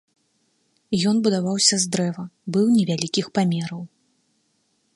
Ён будаваўся з дрэва, быў невялікіх памераў.